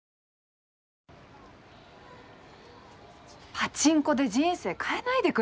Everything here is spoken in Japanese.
パチンコで人生変えないでくれる？